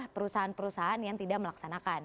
perusahaan perusahaan yang tidak melaksanakan